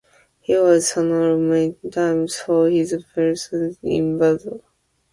He was honored many times for his heroism in battle.